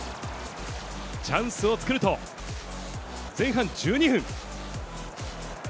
チャンスを作ると、前半１２分。